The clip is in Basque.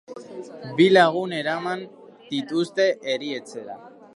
Bi lagun eraman dituzte erietxera.